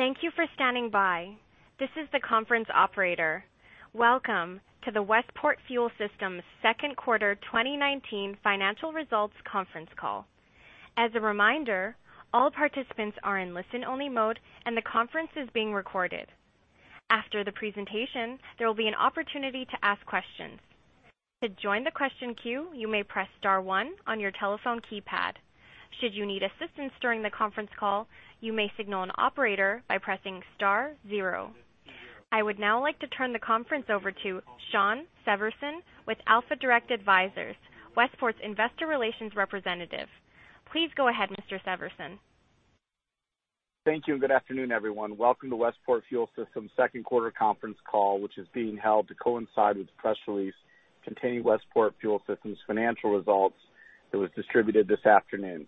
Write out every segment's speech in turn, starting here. Thank you for standing by. This is the conference operator. Welcome to the Westport Fuel Systems second quarter 2019 financial results conference call. As a reminder, all participants are in listen-only mode and the conference is being recorded. After the presentation, there will be an opportunity to ask questions. To join the question queue, you may press star one on your telephone keypad. Should you need assistance during the conference call, you may signal an operator by pressing star zero. I would now like to turn the conference over to Sean Severson with Alpha Direct Advisors, Westport's investor relations representative. Please go ahead, Mr. Severson. Thank you, and good afternoon, everyone. Welcome to Westport Fuel Systems second quarter conference call, which is being held to coincide with the press release containing Westport Fuel Systems financial results that was distributed this afternoon.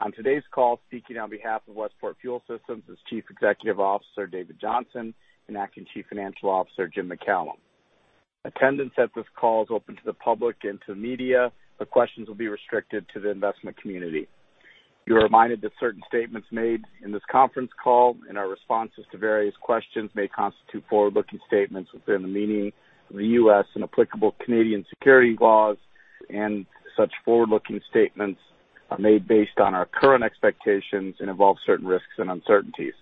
On today's call, speaking on behalf of Westport Fuel Systems is Chief Executive Officer David Johnson and Acting Chief Financial Officer Jim McCallum. Attendance at this call is open to the public and to the media, but questions will be restricted to the investment community. You are reminded that certain statements made in this conference call and our responses to various questions may constitute forward-looking statements within the meaning of the U.S. and applicable Canadian security laws, and such forward-looking statements are made based on our current expectations and involve certain risks and uncertainties.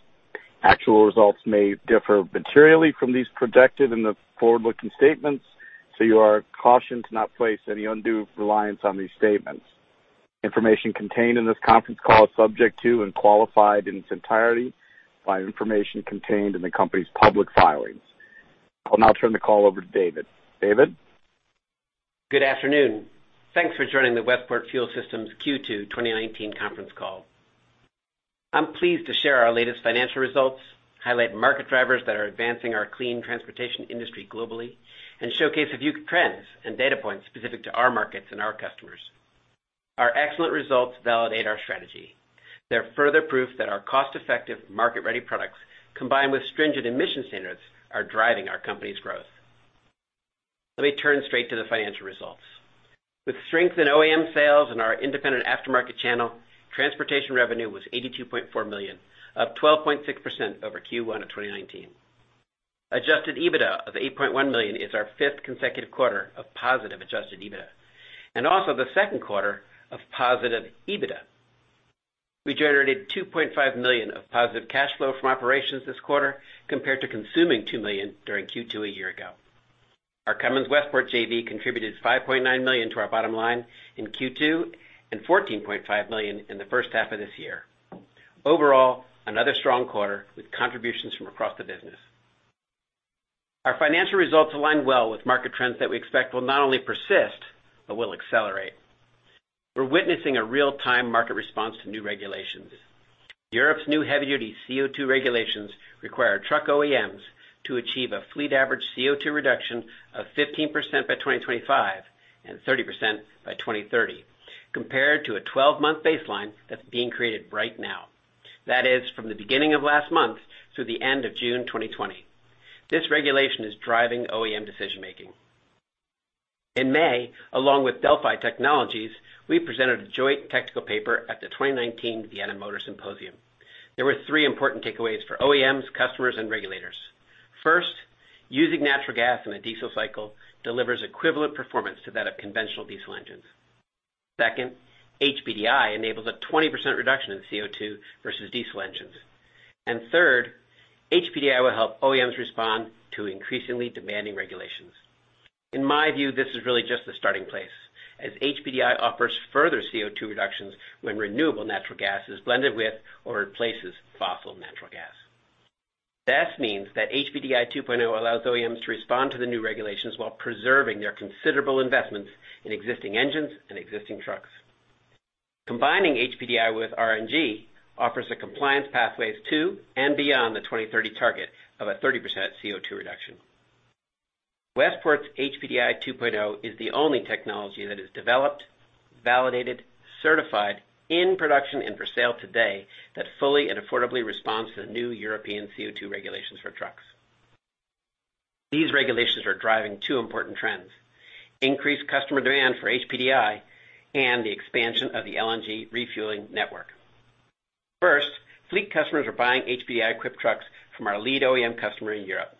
Actual results may differ materially from these projected in the forward-looking statements. You are cautioned to not place any undue reliance on these statements. Information contained in this conference call is subject to and qualified in its entirety by information contained in the company's public filings. I'll now turn the call over to David. David? Good afternoon. Thanks for joining the Westport Fuel Systems Q2 2019 conference call. I'm pleased to share our latest financial results, highlight market drivers that are advancing our clean transportation industry globally, and showcase a few trends and data points specific to our markets and our customers. Our excellent results validate our strategy. They're further proof that our cost-effective, market-ready products, combined with stringent emission standards, are driving our company's growth. Let me turn straight to the financial results. With strength in OEM sales and our independent aftermarket channel, transportation revenue was $82.4 million, up 12.6% over Q1 2019. Adjusted EBITDA of $8.1 million is our fifth consecutive quarter of positive adjusted EBITDA, and also the second quarter of positive EBITDA. We generated $2.5 million of positive cash flow from operations this quarter compared to consuming $2 million during Q2 a year ago. Our Cummins Westport JV contributed $5.9 million to our bottom line in Q2 and $14.5 million in the first half of this year. Overall, another strong quarter with contributions from across the business. Our financial results align well with market trends that we expect will not only persist but will accelerate. We're witnessing a real-time market response to new regulations. Europe's new heavy-duty CO2 regulations require truck OEMs to achieve a fleet average CO2 reduction of 15% by 2025 and 30% by 2030, compared to a 12-month baseline that's being created right now. That is, from the beginning of last month through the end of June 2020. This regulation is driving OEM decision-making. In May, along with Delphi Technologies, we presented a joint technical paper at the 2019 Vienna Motor Symposium. There were three important takeaways for OEMs, customers, and regulators. Using natural gas in a diesel cycle delivers equivalent performance to that of conventional diesel engines. HPDI enables a 20% reduction in CO2 versus diesel engines. HPDI will help OEMs respond to increasingly demanding regulations. In my view, this is really just the starting place, as HPDI offers further CO2 reductions when renewable natural gas is blended with or replaces fossil natural gas. This means that HPDI 2.0 allows OEMs to respond to the new regulations while preserving their considerable investments in existing engines and existing trucks. Combining HPDI with RNG offers the compliance pathways to and beyond the 2030 target of a 30% CO2 reduction. Westport's HPDI 2.0 is the only technology that is developed, validated, certified, in production and for sale today that fully and affordably responds to the new European CO2 regulations for trucks. These regulations are driving two important trends, increased customer demand for HPDI and the expansion of the LNG refueling network. First, fleet customers are buying HPDI-equipped trucks from our lead OEM customer in Europe.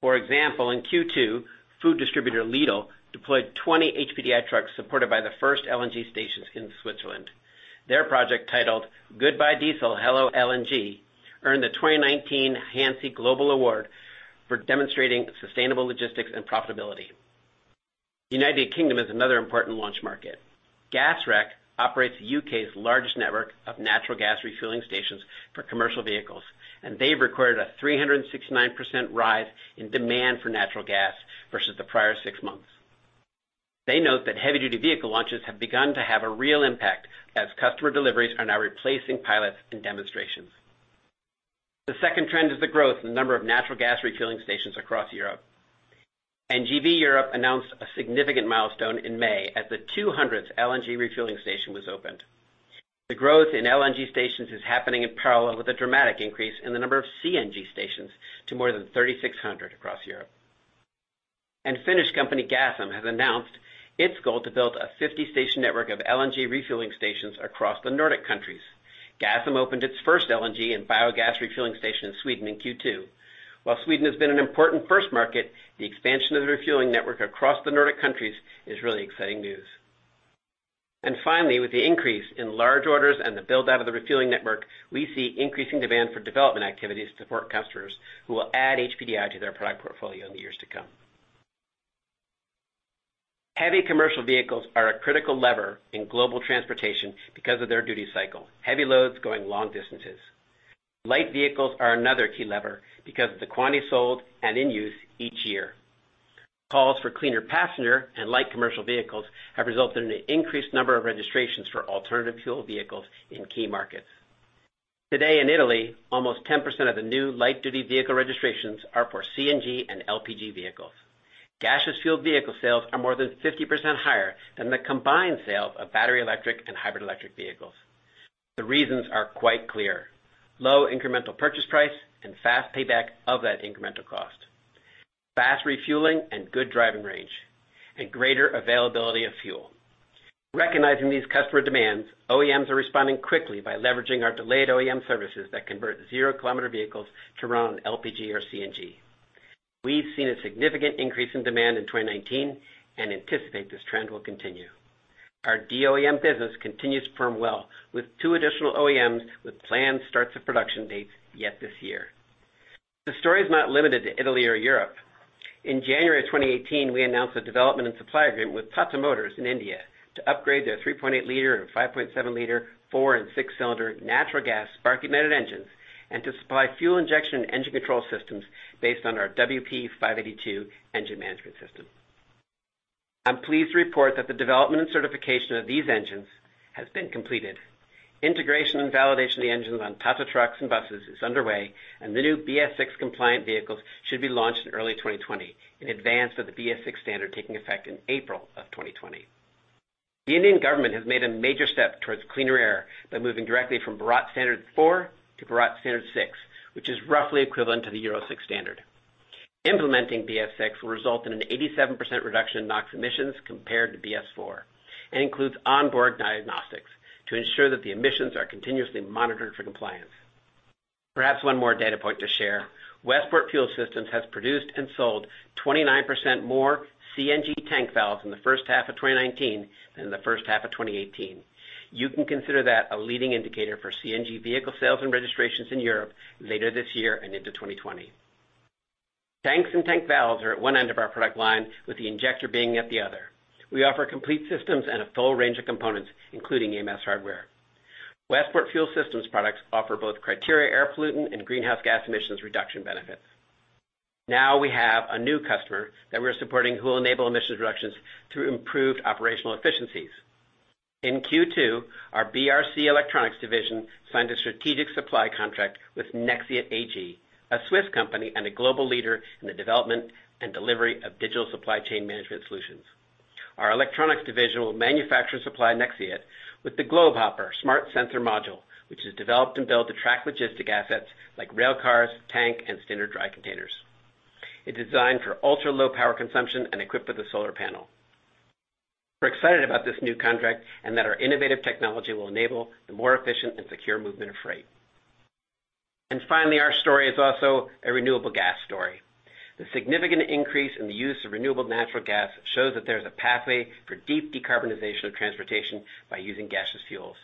For example, in Q2, food distributor Lidl deployed 20 HPDI trucks supported by the first LNG stations in Switzerland. Their project, titled "Goodbye Diesel, Hello LNG," earned the 2019 HANSE GLOBE Award for demonstrating sustainable logistics and profitability. The United Kingdom is another important launch market. Gasrec operates the U.K.'s largest network of natural gas refueling stations for commercial vehicles, and they've recorded a 369% rise in demand for natural gas versus the prior six months. They note that heavy-duty vehicle launches have begun to have a real impact as customer deliveries are now replacing pilots and demonstrations. The second trend is the growth in the number of natural gas refueling stations across Europe. NGVA Europe announced a significant milestone in May as the 200th LNG refueling station was opened. The growth in LNG stations is happening in parallel with a dramatic increase in the number of CNG stations to more than 3,600 across Europe. Finnish company, Gasum, has announced its goal to build a 50-station network of LNG refueling stations across the Nordic countries. Gasum opened its first LNG and biogas refueling station in Sweden in Q2. While Sweden has been an important first market, the expansion of the refueling network across the Nordic countries is really exciting news. Finally, with the increase in large orders and the build-out of the refueling network, we see increasing demand for development activities to support customers who will add HPDI to their product portfolio in the years to come. Heavy commercial vehicles are a critical lever in global transportation because of their duty cycle, heavy loads going long distances. Light vehicles are another key lever because of the quantity sold and in use each year. Calls for cleaner passenger and light commercial vehicles have resulted in an increased number of registrations for alternative fuel vehicles in key markets. Today in Italy, almost 10% of the new light-duty vehicle registrations are for CNG and LPG vehicles. Gaseous fuel vehicle sales are more than 50% higher than the combined sales of battery electric and hybrid electric vehicles. The reasons are quite clear. Low incremental purchase price and fast payback of that incremental cost, fast refueling and good driving range, and greater availability of fuel. Recognizing these customer demands, OEMs are responding quickly by leveraging our delayed OEM services that convert zero-kilometer vehicles to run on LPG or CNG. We've seen a significant increase in demand in 2019 and anticipate this trend will continue. Our DOEM business continues to perform well with two additional OEMs with planned starts of production dates yet this year. The story is not limited to Italy or Europe. In January of 2018, we announced a development and supply agreement with Tata Motors in India to upgrade their 3.8 liter and 5.7 liter, four and six-cylinder natural gas spark-ignited engines, and to supply fuel injection and engine control systems based on our WP582 engine management system. I'm pleased to report that the development and certification of these engines has been completed. Integration and validation of the engines on Tata trucks and buses is underway, and the new BS-VI compliant vehicles should be launched in early 2020, in advance of the BS-VI standard taking effect in April of 2020. The Indian government has made a major step towards cleaner air by moving directly from Bharat Stage IV to Bharat Stage VI, which is roughly equivalent to the Euro 6 standard. Implementing BS-VI will result in an 87% reduction in NOx emissions compared to BS-IV and includes onboard diagnostics to ensure that the emissions are continuously monitored for compliance. Perhaps one more data point to share. Westport Fuel Systems has produced and sold 29% more CNG tank valves in the first half of 2019 than in the first half of 2018. You can consider that a leading indicator for CNG vehicle sales and registrations in Europe later this year and into 2020. Tanks and tank valves are at one end of our product line, with the injector being at the other. We offer complete systems and a full range of components, including EMS hardware. Westport Fuel Systems products offer both criteria air pollutant and greenhouse gas emissions reduction benefits. Now we have a new customer that we're supporting who will enable emissions reductions through improved operational efficiencies. In Q2, our BRC Electronics division signed a strategic supply contract with Nexxiot AG, a Swiss company and a global leader in the development and delivery of digital supply chain management solutions. Our electronics division will manufacture and supply Nexxiot with the Globehopper smart sensor module, which is developed and built to track logistic assets like rail cars, tank, and standard dry containers. It's designed for ultra-low power consumption and equipped with a solar panel. We're excited about this new contract and that our innovative technology will enable the more efficient and secure movement of freight. Finally, our story is also a renewable gas story. The significant increase in the use of renewable natural gas shows that there's a pathway for deep decarbonization of transportation by using gaseous fuels.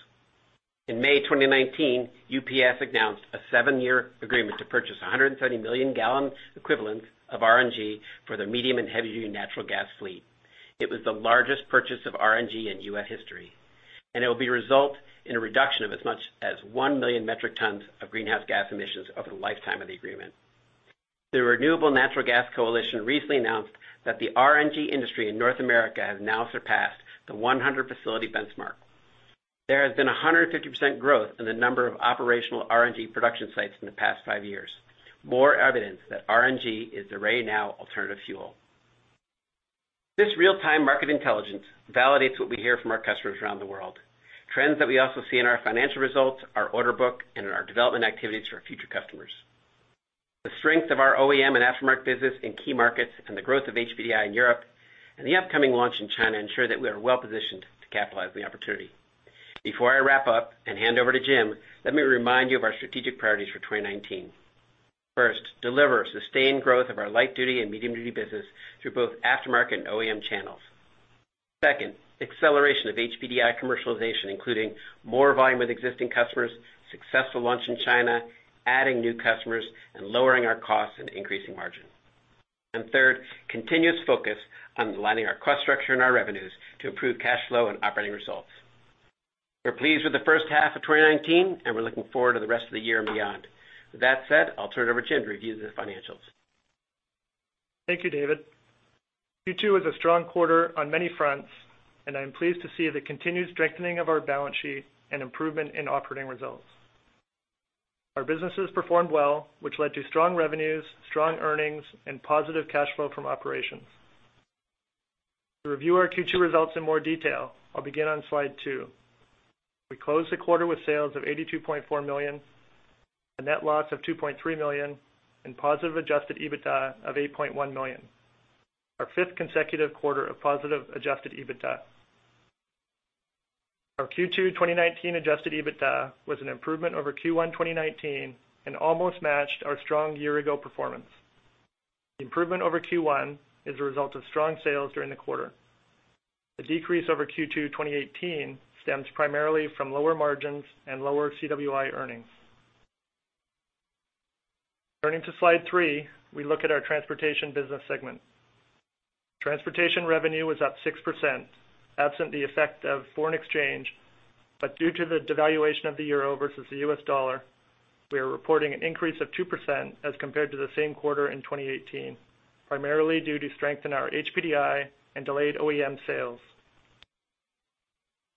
In May 2019, UPS announced a seven-year agreement to purchase 130 million gallons equivalent of RNG for their medium and heavy-duty natural gas fleet. It was the largest purchase of RNG in U.S. history, and it will result in a reduction of as much as one million metric tons of greenhouse gas emissions over the lifetime of the agreement. The Renewable Natural Gas Coalition recently announced that the RNG industry in North America has now surpassed the 100 facility benchmark. There has been 150% growth in the number of operational RNG production sites in the past five years. More evidence that RNG is the right now alternative fuel. This real-time market intelligence validates what we hear from our customers around the world, trends that we also see in our financial results, our order book, and in our development activities for our future customers. The strength of our OEM and aftermarket business in key markets, and the growth of HPDI in Europe, and the upcoming launch in China ensure that we are well-positioned to capitalize the opportunity. Before I wrap up and hand over to Jim, let me remind you of our strategic priorities for 2019. First, deliver sustained growth of our light-duty and medium-duty business through both aftermarket and OEM channels. Second, acceleration of HPDI commercialization, including more volume with existing customers, successful launch in China, adding new customers, and lowering our costs and increasing margin. Third, continuous focus on aligning our cost structure and our revenues to improve cash flow and operating results. We're pleased with the first half of 2019, and we're looking forward to the rest of the year and beyond. With that said, I'll turn it over to Jim to review the financials. Thank you, David. Q2 was a strong quarter on many fronts, and I'm pleased to see the continued strengthening of our balance sheet and improvement in operating results. Our businesses performed well, which led to strong revenues, strong earnings, and positive cash flow from operations. To review our Q2 results in more detail, I'll begin on slide two. We closed the quarter with sales of $82.4 million, a net loss of $2.3 million, and positive adjusted EBITDA of $8.1 million, our fifth consecutive quarter of positive adjusted EBITDA. Our Q2 2019 adjusted EBITDA was an improvement over Q1 2019 and almost matched our strong year-ago performance. The improvement over Q1 is a result of strong sales during the quarter. The decrease over Q2 2018 stems primarily from lower margins and lower CWI earnings. Turning to slide three, we look at our transportation business segment. Transportation revenue was up 6% absent the effect of foreign exchange. Due to the devaluation of the euro versus the US dollar, we are reporting an increase of 2% as compared to the same quarter in 2018, primarily due to strength in our HPDI and delayed OEM sales.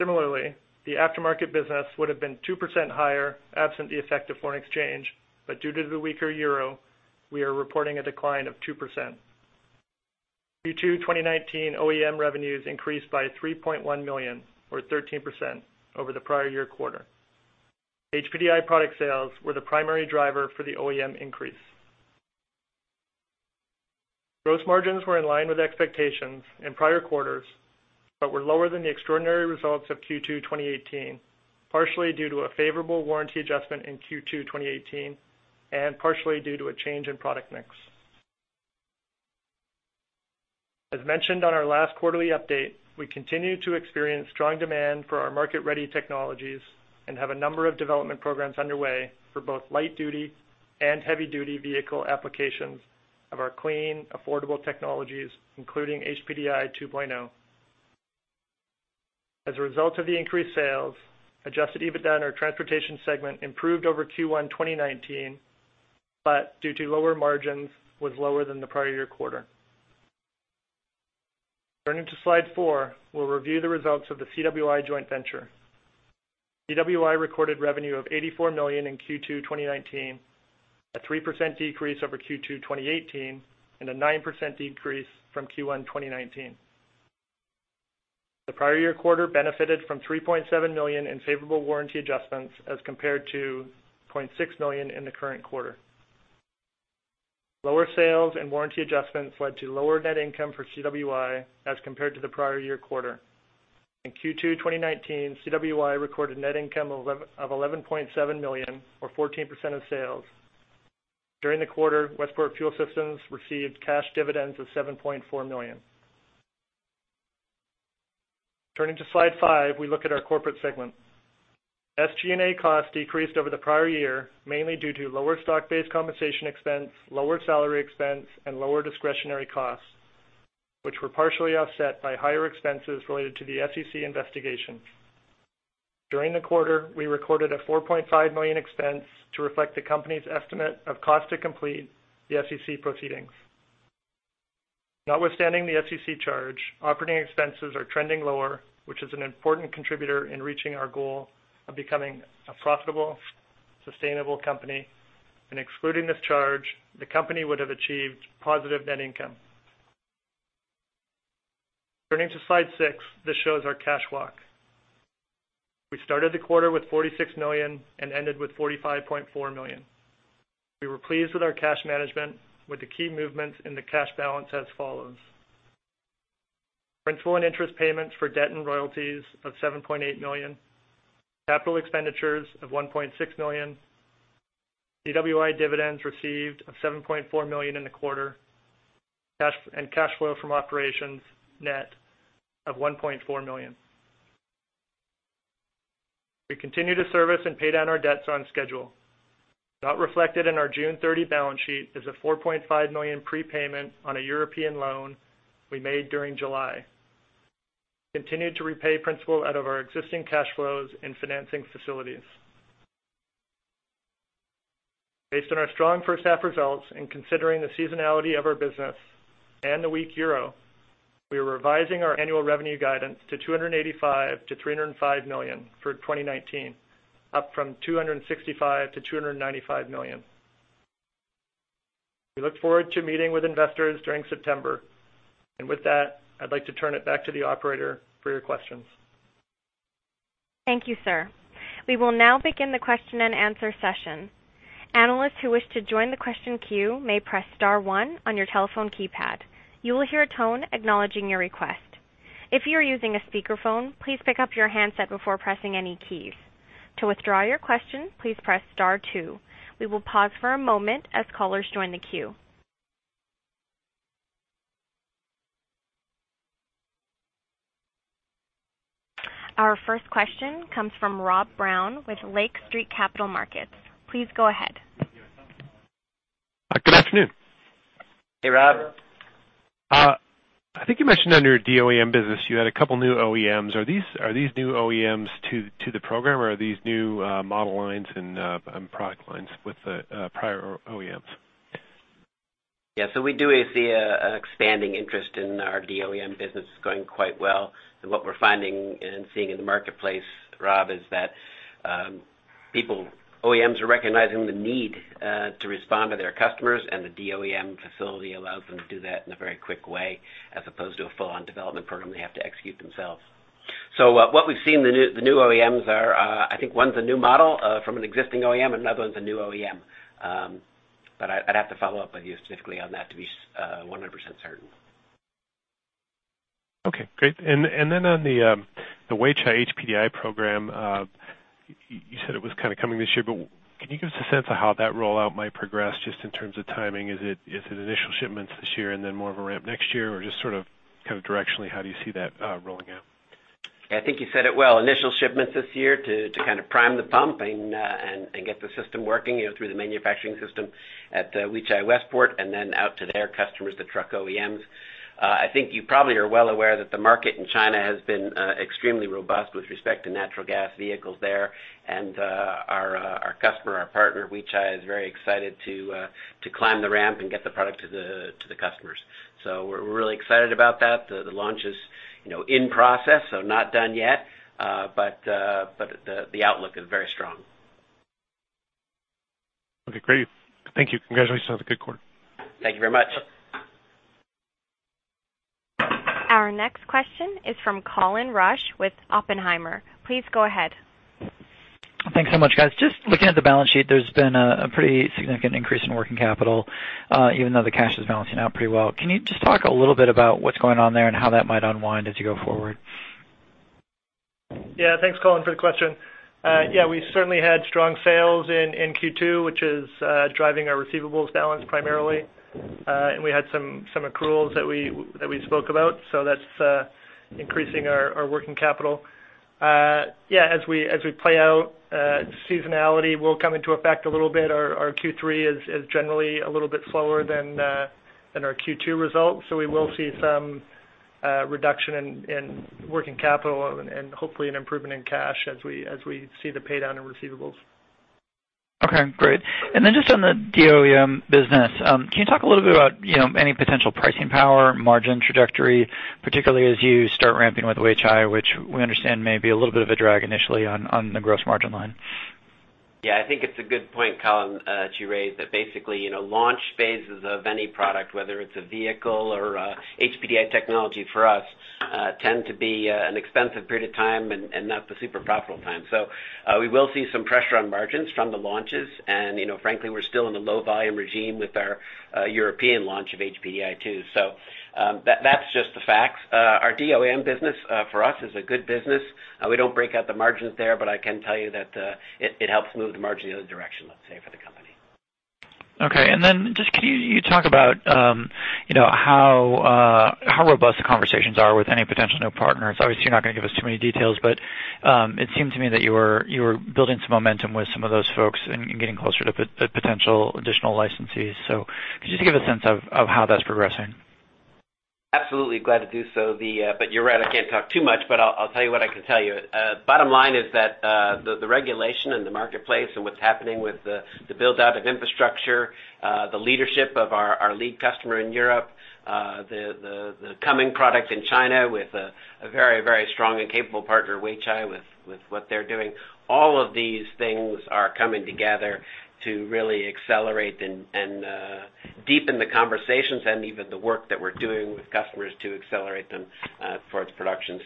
Similarly, the aftermarket business would have been 2% higher absent the effect of foreign exchange, but due to the weaker euro, we are reporting a decline of 2%. Q2 2019 OEM revenues increased by $3.1 million or 13% over the prior year quarter. HPDI product sales were the primary driver for the OEM increase. Gross margins were in line with expectations in prior quarters but were lower than the extraordinary results of Q2 2018, partially due to a favorable warranty adjustment in Q2 2018 and partially due to a change in product mix. As mentioned on our last quarterly update, we continue to experience strong demand for our market-ready technologies and have a number of development programs underway for both light-duty and heavy-duty vehicle applications of our clean, affordable technologies, including HPDI 2.0. As a result of the increased sales, adjusted EBITDA in our transportation segment improved over Q1 2019, but due to lower margins, was lower than the prior year quarter. Turning to slide four, we'll review the results of the CWI joint venture. CWI recorded revenue of $84 million in Q2 2019, a 3% decrease over Q2 2018, and a 9% decrease from Q1 2019. The prior year quarter benefited from $3.7 million in favorable warranty adjustments as compared to $0.6 million in the current quarter. Lower sales and warranty adjustments led to lower net income for CWI as compared to the prior year quarter. In Q2 2019, CWI recorded net income of $11.7 million or 14% of sales. During the quarter, Westport Fuel Systems received cash dividends of $7.4 million. Turning to slide five, we look at our corporate segment. SG&A costs decreased over the prior year, mainly due to lower stock-based compensation expense, lower salary expense, and lower discretionary costs, which were partially offset by higher expenses related to the SEC investigation. During the quarter, we recorded a $4.5 million expense to reflect the company's estimate of cost to complete the SEC proceedings. Notwithstanding the SEC charge, operating expenses are trending lower, which is an important contributor in reaching our goal of becoming a profitable, sustainable company. Excluding this charge, the company would have achieved positive net income. Turning to slide six, this shows our cash walk. We started the quarter with $46 million and ended with $45.4 million. We were pleased with our cash management with the key movements in the cash balance as follows. Principal and interest payments for debt and royalties of $7.8 million. Capital expenditures of $1.6 million. CWI dividends received of $7.4 million in the quarter, and cash flow from operations net of $1.4 million. We continue to service and pay down our debts on schedule. Not reflected in our June 30 balance sheet is a $4.5 million prepayment on a European loan we made during July. We continued to repay principal out of our existing cash flows and financing facilities. Based on our strong first half results and considering the seasonality of our business and the weak euro, we are revising our annual revenue guidance to $285 million-$305 million for 2019, up from $265 million-$295 million. We look forward to meeting with investors during September. With that, I'd like to turn it back to the operator for your questions. Thank you, sir. We will now begin the question and answer session. Analysts who wish to join the question queue may press star 1 on your telephone keypad. You will hear a tone acknowledging your request. If you are using a speakerphone, please pick up your handset before pressing any keys. To withdraw your question, please press star 2. We will pause for a moment as callers join the queue. Our first question comes from Rob Brown with Lake Street Capital Markets. Please go ahead. Good afternoon. Hey, Rob. I think you mentioned under your DOEM business you had a couple new OEMs. Are these new OEMs to the program, or are these new model lines and product lines with the prior OEMs? Yeah. We do see an expanding interest in our DOEM business. It's going quite well. What we're finding and seeing in the marketplace, Rob, is that people, OEMs are recognizing the need to respond to their customers, and the DOEM facility allows them to do that in a very quick way, as opposed to a full-on development program they have to execute themselves. What we've seen, the new OEMs are, I think one's a new model from an existing OEM and another one's a new OEM. I'd have to follow up with you specifically on that to be 100% certain. Okay, great. On the Weichai HPDI program, you said it was kind of coming this year, but can you give us a sense of how that rollout might progress, just in terms of timing? Is it initial shipments this year and then more of a ramp next year? Or just sort of directionally, how do you see that rolling out? I think you said it well. Initial shipments this year to kind of prime the pump and get the system working through the manufacturing system at Weichai Westport and then out to their customers, the truck OEMs. I think you probably are well aware that the market in China has been extremely robust with respect to natural gas vehicles there. Our customer, our partner, Weichai, is very excited to climb the ramp and get the product to the customers. We're really excited about that. The launch is in process, so not done yet. The outlook is very strong. Okay, great. Thank you. Congratulations on the good quarter. Thank you very much. Our next question is from Colin Rusch with Oppenheimer. Please go ahead. Thanks so much, guys. Just looking at the balance sheet, there's been a pretty significant increase in working capital, even though the cash is balancing out pretty well. Can you just talk a little bit about what's going on there and how that might unwind as you go forward? Thanks, Colin, for the question. We certainly had strong sales in Q2, which is driving our receivables balance primarily. We had some accruals that we spoke about, that's increasing our working capital. As we play out, seasonality will come into effect a little bit. Our Q3 is generally a little bit slower than our Q2 results. We will see some reduction in working capital and hopefully an improvement in cash as we see the pay-down in receivables. Okay, great. Just on the DOEM business, can you talk a little bit about any potential pricing power, margin trajectory, particularly as you start ramping with Weichai, which we understand may be a little bit of a drag initially on the gross margin line? I think it's a good point, Colin, that you raised, that basically launch phases of any product, whether it's a vehicle or HPDI technology for us, tend to be an expensive period of time and not the super profitable time. We will see some pressure on margins from the launches, and frankly, we're still in a low volume regime with our European launch of HPDI 2.0. That's just the facts. Our DOEM business, for us, is a good business. We don't break out the margins there, but I can tell you that it helps move the margin in the other direction, let's say, for the company. Okay. Could you talk about how robust the conversations are with any potential new partners? Obviously, you're not going to give us too many details, but it seemed to me that you were building some momentum with some of those folks and getting closer to potential additional licensees. Could you just give a sense of how that's progressing? Absolutely. Glad to do so. You're right, I can't talk too much, but I'll tell you what I can tell you. Bottom line is that the regulation and the marketplace and what's happening with the build-out of infrastructure, the leadership of our lead customer in Europe, the coming product in China with a very strong and capable partner, Weichai, with what they're doing, all of these things are coming together to really accelerate and deepen the conversations and even the work that we're doing with customers to accelerate them for its production.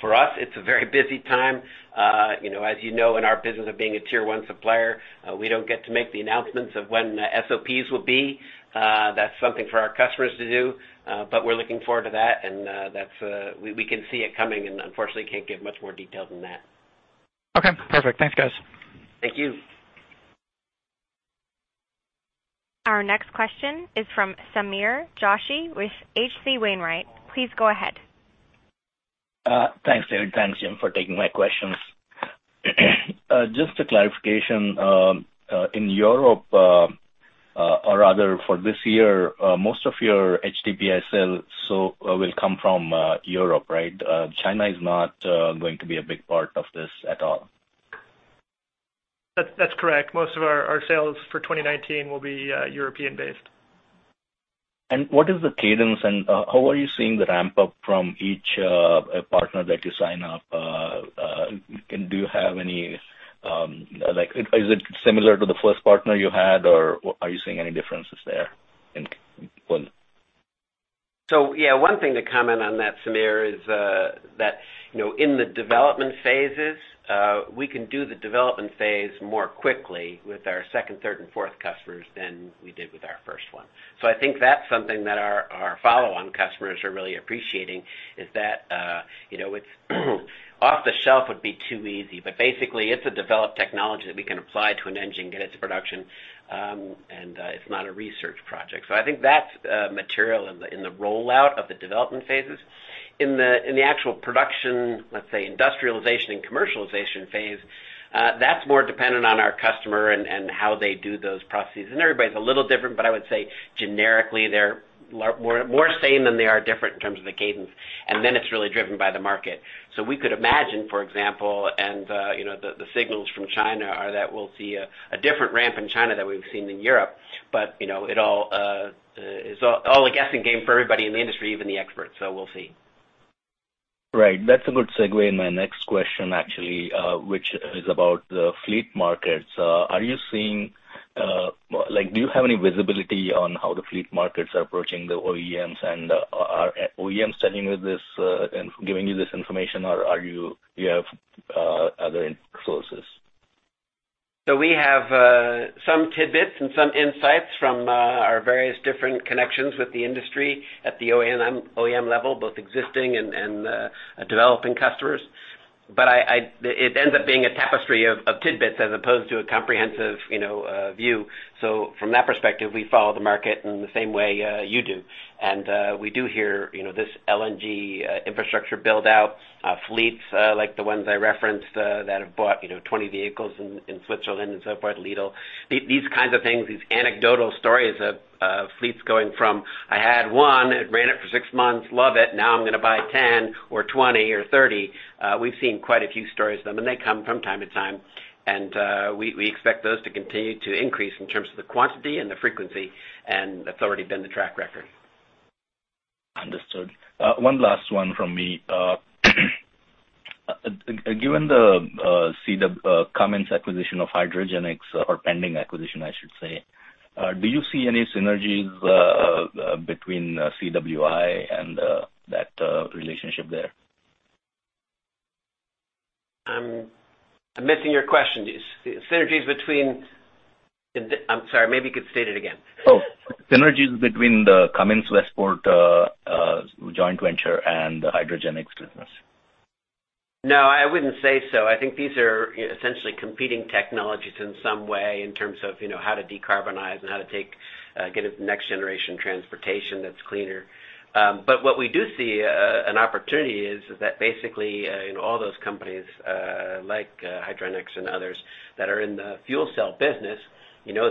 For us, it's a very busy time. As you know, in our business of being a tier one supplier, we don't get to make the announcements of when SOPs will be. That's something for our customers to do, but we're looking forward to that, and we can see it coming and unfortunately can't give much more detail than that. Okay, perfect. Thanks, guys. Thank you. Our next question is from Sameer Joshi with H.C. Wainwright. Please go ahead. Thanks, David. Thanks, Jim, for taking my questions. Just a clarification, in Europe, or rather for this year, most of your HPDI sales will come from Europe, right? China is not going to be a big part of this at all. That's correct. Most of our sales for 2019 will be European-based. What is the cadence, and how are you seeing the ramp-up from each partner that you sign up? Do you have any, is it similar to the first partner you had, or are you seeing any differences there? Yeah, one thing to comment on that, Sameer, is that in the development phases, we can do the development phase more quickly with our second, third, and fourth customers than we did with our first one. I think that's something that our follow-on customers are really appreciating is that it's off the shelf would be too easy, but basically, it's a developed technology that we can apply to an engine, get it to production, and it's not a research project. In the actual production, let's say industrialization and commercialization phase, that's more dependent on our customer and how they do those processes. Everybody's a little different, but I would say generically, they're more same than they are different in terms of the cadence. Then it's really driven by the market. We could imagine, for example, and the signals from China are that we'll see a different ramp in China than we've seen in Europe, but it all is all a guessing game for everybody in the industry, even the experts. We'll see. Right. That's a good segue into my next question, actually, which is about the fleet markets. Do you have any visibility on how the fleet markets are approaching the OEMs, and are OEMs sitting with this and giving you this information, or do you have other sources? We have some tidbits and some insights from our various different connections with the industry at the OEM level, both existing and developing customers. It ends up being a tapestry of tidbits as opposed to a comprehensive view. From that perspective, we follow the market in the same way you do. We do hear this LNG infrastructure build out fleets like the ones I referenced that have bought 20 vehicles in Switzerland and so forth, Lidl. These kinds of things, these anecdotal stories of fleets going from, "I had one, it ran it for six months, love it. Now I'm going to buy 10 or 20 or 30." We've seen quite a few stories then, when they come from time to time, and we expect those to continue to increase in terms of the quantity and the frequency, and that's already been the track record. Understood. One last one from me. Given the Cummins acquisition of Hydrogenics or pending acquisition, I should say, do you see any synergies between CWI and that relationship there? I'm missing your question. I'm sorry, maybe you could state it again. Synergies between the Cummins Westport joint venture and the Hydrogenics business. No, I wouldn't say so. I think these are essentially competing technologies in some way in terms of how to decarbonize and how to get next generation transportation that's cleaner. What we do see an opportunity is that basically, all those companies like Hydrogenics and others that are in the fuel cell business,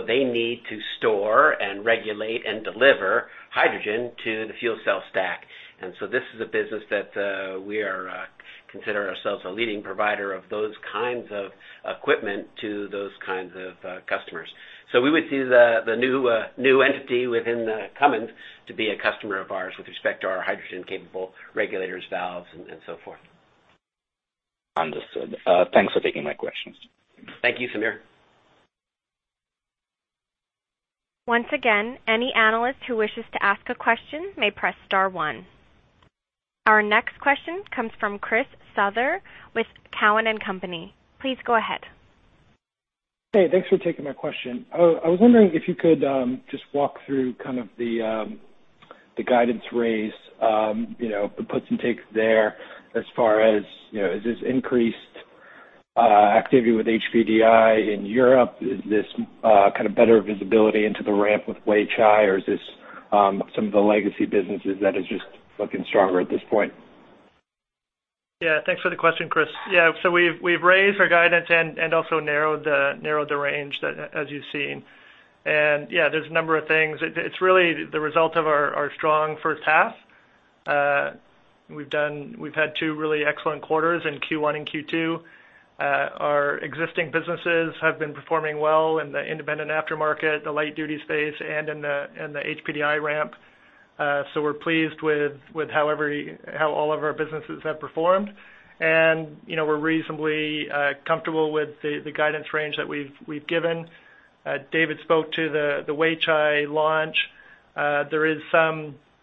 they need to store and regulate and deliver hydrogen to the fuel cell stack. This is a business that we consider ourselves a leading provider of those kinds of equipment to those kinds of customers. We would see the new entity within Cummins to be a customer of ours with respect to our hydrogen-capable regulators, valves, and so forth. Understood. Thanks for taking my questions. Thank you, Sameer. Once again, any analyst who wishes to ask a question may press star one. Our next question comes from Chris Souther with Cowen and Company. Please go ahead. Hey, thanks for taking my question. I was wondering if you could just walk through the guidance raise, the puts and takes there as far as, is this increased activity with HPDI in Europe? Is this kind of better visibility into the ramp with Weichai, or is this some of the legacy businesses that is just looking stronger at this point? Thanks for the question, Chris. We've raised our guidance and also narrowed the range as you've seen. There's a number of things. It's really the result of our strong first half. We've had two really excellent quarters in Q1 and Q2. Our existing businesses have been performing well in the independent aftermarket, the light duty space, and in the HPDI ramp. We're pleased with how all of our businesses have performed, and we're reasonably comfortable with the guidance range that we've given. David spoke to the Weichai launch.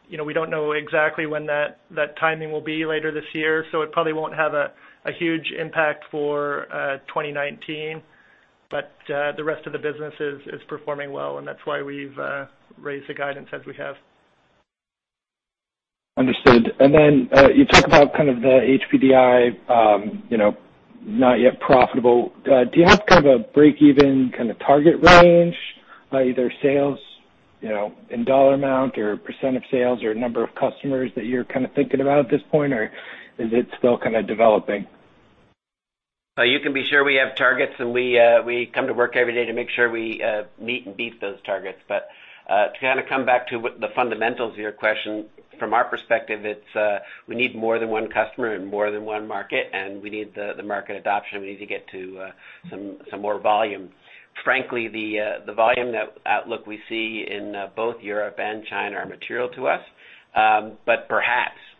We don't know exactly when that timing will be later this year, so it probably won't have a huge impact for 2019. The rest of the business is performing well, and that's why we've raised the guidance as we have. Understood. You talk about the HPDI, not yet profitable. Do you have kind of a break-even kind of target range, either sales in dollar amount or % of sales or number of customers that you're kind of thinking about at this point, or is it still kind of developing? You can be sure we have targets, and we come to work every day to make sure we meet and beat those targets. To kind of come back to the fundamentals of your question, from our perspective, we need more than one customer and more than one market, and we need the market adoption. We need to get to some more volume. Frankly, the volume outlook we see in both Europe and China are material to us.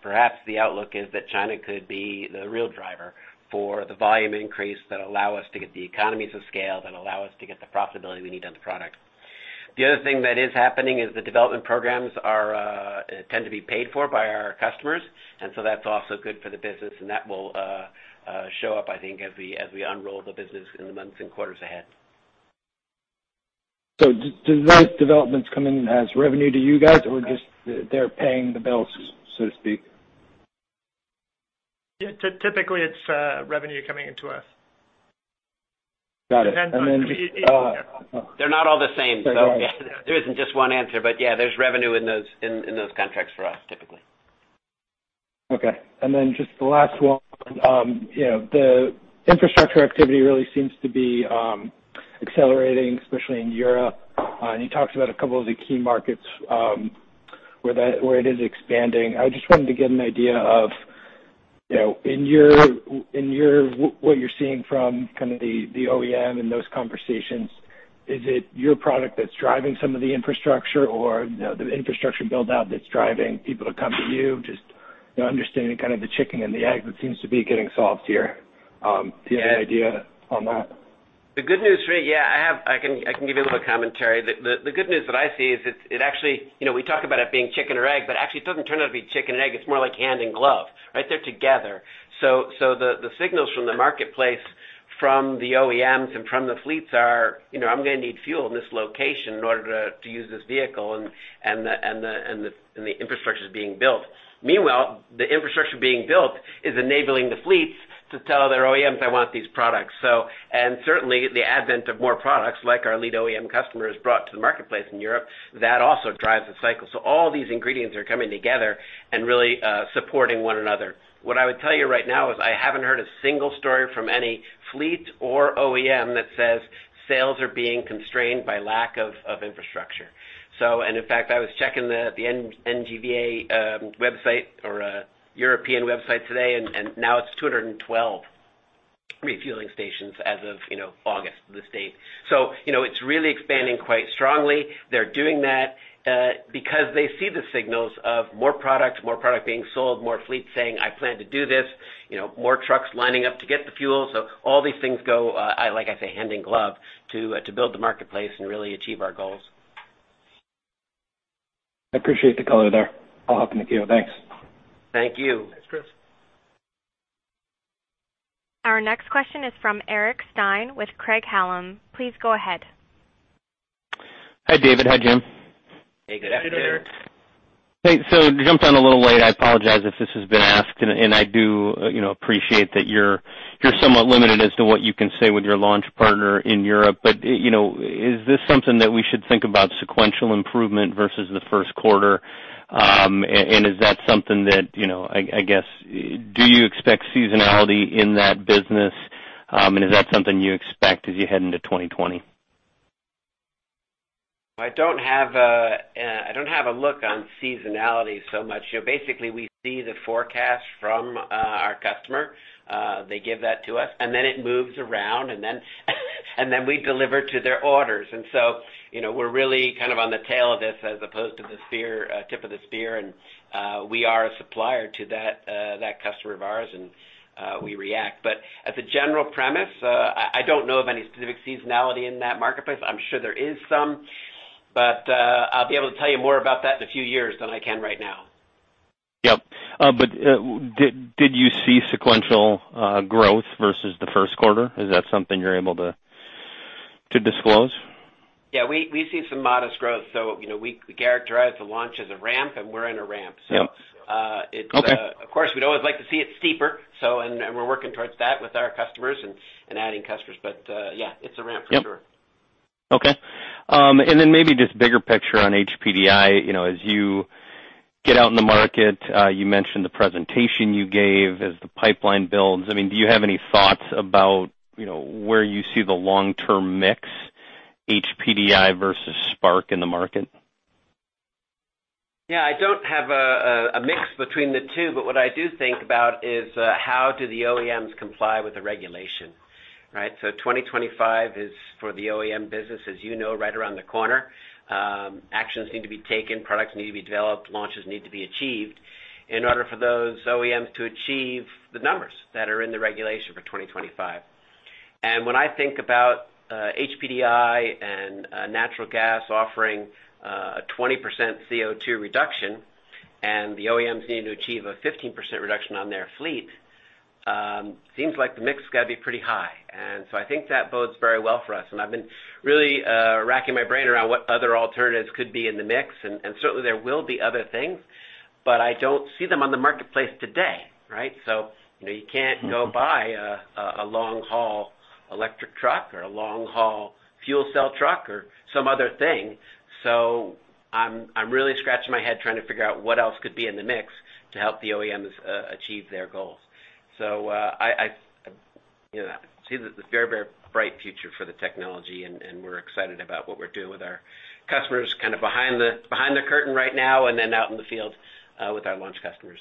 Perhaps the outlook is that China could be the real driver for the volume increase that allow us to get the economies of scale, that allow us to get the profitability we need on the product. The other thing that is happening is the development programs tend to be paid for by our customers, and so that's also good for the business, and that will show up, I think, as we unroll the business in the months and quarters ahead. Do those developments come in as revenue to you guys, or just they're paying the bills, so to speak? Yeah. Typically, it's revenue coming into us. Got it. They're not all the same, so there isn't just one answer. Yeah, there's revenue in those contracts for us, typically. Okay. Just the last one. The infrastructure activity really seems to be accelerating, especially in Europe. You talked about a couple of the key markets, where it is expanding. I just wanted to get an idea of in what you're seeing from kind of the OEM and those conversations. Is it your product that's driving some of the infrastructure or the infrastructure build-out that's driving people to come to you? Just understanding kind of the chicken and the egg that seems to be getting solved here. Do you have any idea on that? The good news for me, yeah, I can give you a little commentary. The good news that I see is it actually, we talk about it being chicken or egg, but actually it doesn't turn out to be chicken and egg. It's more like hand in glove. They're together. The signals from the marketplace, from the OEMs, and from the fleets are, I'm going to need fuel in this location in order to use this vehicle, and the infrastructure's being built. Meanwhile, the infrastructure being built is enabling the fleets to tell their OEMs, "I want these products." Certainly the advent of more products, like our lead OEM customers brought to the marketplace in Europe, that also drives the cycle. All these ingredients are coming together and really supporting one another. What I would tell you right now is I haven't heard a single story from any fleet or OEM that says sales are being constrained by lack of infrastructure. In fact, I was checking the NGVA website or European website today, and now it's 212 refueling stations as of August, this date. It's really expanding quite strongly. They're doing that because they see the signals of more product, more product being sold, more fleets saying, "I plan to do this." More trucks lining up to get the fuel. All these things go, like I say, hand in glove to build the marketplace and really achieve our goals. I appreciate the color there. I'll hop in the queue. Thanks. Thank you. Thanks, Chris. Our next question is from Eric Stine with Craig-Hallum. Please go ahead. Hi, David. Hi, Jim. Hey, good afternoon. Hey, good afternoon, Eric. Hey. I jumped on a little late, I apologize if this has been asked, and I do appreciate that you're somewhat limited as to what you can say with your launch partner in Europe. Is this something that we should think about sequential improvement versus the first quarter? Is that something that, I guess, do you expect seasonality in that business? Is that something you expect as you head into 2020? I don't have a look on seasonality so much. Basically, we see the forecast from our customer. They give that to us, and then it moves around, and then we deliver to their orders. We're really kind of on the tail of this as opposed to the tip of the spear. We are a supplier to that customer of ours, and we react. As a general premise, I don't know of any specific seasonality in that marketplace. I'm sure there is some, but I'll be able to tell you more about that in a few years than I can right now. Yep. Did you see sequential growth versus the first quarter? Is that something you're able to disclose? Yeah, we see some modest growth. We characterize the launch as a ramp, and we're in a ramp. Yep, okay. Of course, we'd always like to see it steeper, and we're working towards that with our customers and adding customers. Yeah, it's a ramp for sure. Yep. Okay. Maybe just bigger picture on HPDI. As you get out in the market, you mentioned the presentation you gave as the pipeline builds. Do you have any thoughts about where you see the long-term mix, HPDI versus spark in the market? Yeah, I don't have a mix between the two, what I do think about is how do the OEMs comply with the regulation, right? 2025 is for the OEM business, as you know, right around the corner. Actions need to be taken, products need to be developed, launches need to be achieved in order for those OEMs to achieve the numbers that are in the regulation for 2025. When I think about HPDI and natural gas offering a 20% CO2 reduction, and the OEMs needing to achieve a 15% reduction on their fleet, seems like the mix has got to be pretty high. I think that bodes very well for us. I've been really racking my brain around what other alternatives could be in the mix, certainly, there will be other things, I don't see them on the marketplace today, right? You can't go buy a long-haul electric truck or a long-haul fuel cell truck or some other thing. I'm really scratching my head trying to figure out what else could be in the mix to help the OEMs achieve their goals. I see a very bright future for the technology, and we're excited about what we're doing with our customers, kind of behind the curtain right now, and then out in the field with our launch customers.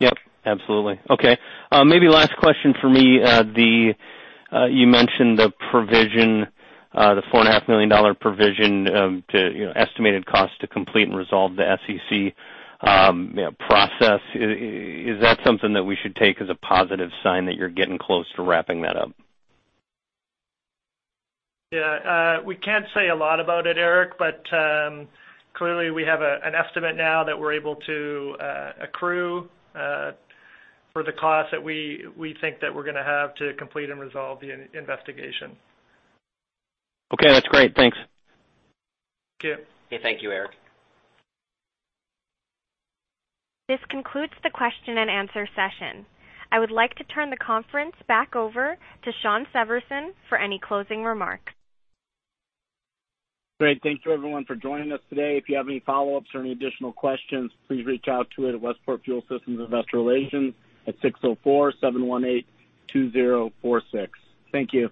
Yep, absolutely. Okay. Maybe last question for me. You mentioned the provision, the $4.5 million provision to estimated cost to complete and resolve the SEC process. Is that something that we should take as a positive sign that you're getting close to wrapping that up? Yeah. We can't say a lot about it, Eric, but clearly, we have an estimate now that we're able to accrue for the cost that we think that we're going to have to complete and resolve the investigation. Okay, that's great. Thanks. Thank you. Okay, thank you, Eric. This concludes the question and answer session. I would like to turn the conference back over to Sean Severson for any closing remarks. Great. Thank you, everyone, for joining us today. If you have any follow-ups or any additional questions, please reach out to Westport Fuel Systems Investor Relations at 604-718-2046. Thank you.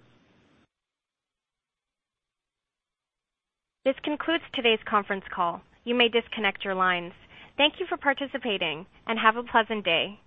This concludes today's conference call. You may disconnect your lines. Thank you for participating, and have a pleasant day.